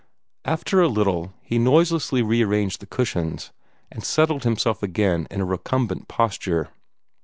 After a little, he noiselessly rearranged the cushions, and settled himself again in a recumbent posture.